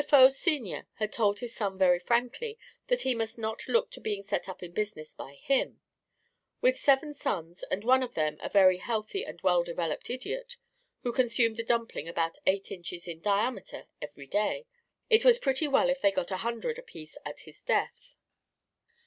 Faux, senior, had told his son very frankly, that he must not look to being set up in business by him: with seven sons, and one of them a very healthy and well developed idiot, who consumed a dumpling about eight inches in diameter every day, it was pretty well if they got a hundred apiece at his death.